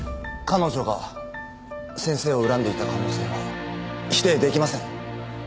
彼女が先生を恨んでいた可能性は否定できません。